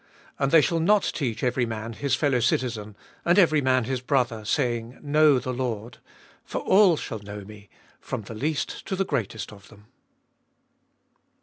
And they shall not teach every man his fellow citizen, And every man his brother, saying, Know the Lord: For all shall know me, From the least to the greatest of them.